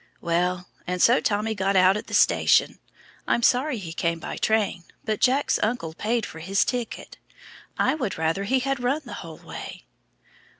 Well, and so Tommy got out at the station I'm sorry he came by train, but Jack's uncle paid for his ticket I would rather he had run the whole way."